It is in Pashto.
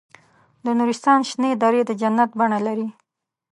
د نورستان شنې درې د جنت بڼه لري.